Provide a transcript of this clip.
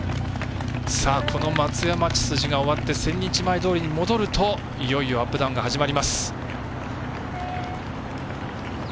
この松屋町筋が終わって千日前通に戻るといよいよアップダウンが始まります。